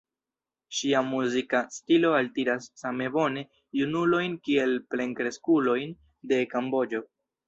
Ŝia muzika stilo altiras same bone junulojn kiel plenkreskulojn de Kamboĝo.